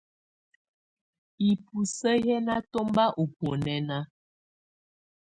Ibusǝ́ yɛ̀ nà tɔmba ù bunɛna.